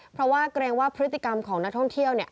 เพราะว่าเกรงว่าพฤติกรรมของนักท่องเที่ยว